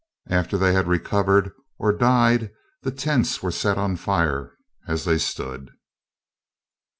After they had recovered or died, the tents were set on fire as they stood.